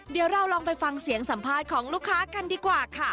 เดี๋ยวเราลองไปฟังเสียงสัมภาษณ์ของลูกค้ากันดีกว่าค่ะ